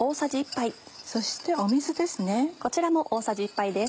そして水です。